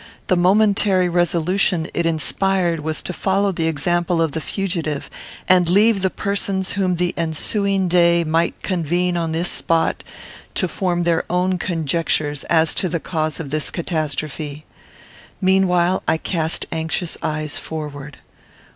The momentary resolution it inspired was to follow the example of the fugitive, and leave the persons whom the ensuing day might convene on this spot, to form their own conjectures as to the cause of this catastrophe. Meanwhile, I cast anxious eyes forward.